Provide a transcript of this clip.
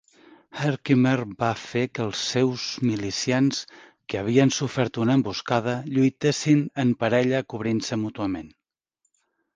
Herkimer va fer que els seus milicians, que havien sofert una emboscada, lluitessin en parella cobrint-se mútuament.